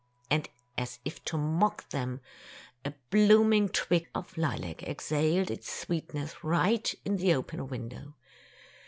And as if to mock them, a blooming twig of lilac exhaled its sweetness right in the open window.